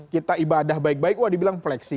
kita ibadah baik baik wah dibilang flexing